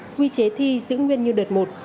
quy chế thi giữ nguyên như đợt một